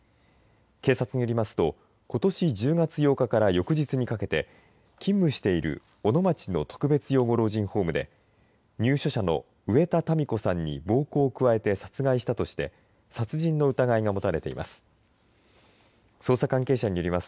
警察によりますと、ことし１０月８日から翌日にかけて勤務している小野町の特別養護老人ホームで入所者の植田タミ子さんに暴行を加えて殺害したとして殺人の疑いがもたれています。